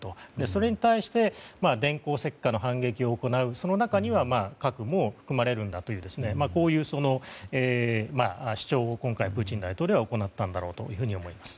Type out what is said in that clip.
それに対して電光石火の反撃を行うその中には核も含まれるんだとこういう主張を今回プーチン大統領は行ったんだろうと思います。